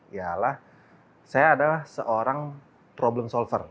ialah saya adalah seorang problem solver